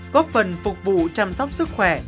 góp phần phục vụ chăm sóc sức khỏe